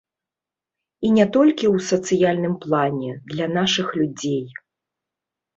І не толькі ў сацыяльным плане, для нашых людзей.